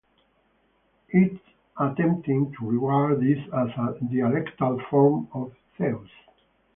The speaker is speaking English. It is tempting to regard this as a dialectal form of Zeus.